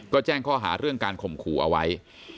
ก็แจ้งข้อหาเรื่องการข่มขู่เอาไว้